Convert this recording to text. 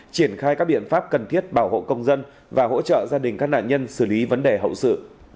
triển khai các biện pháp cần thiết bảo hộ công dân và hỗ trợ gia đình các nạn nhân xử lý vấn đề hậu sự